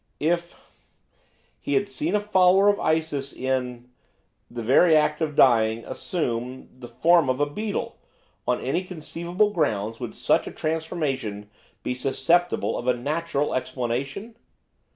'If he had seen a follower of Isis in the very act of dying, assume the form of a a beetle, on any conceivable grounds would such a transformation be susceptible of a natural explanation?